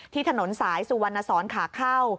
ที่ถนนสายสุวรรณสรขาอเข้า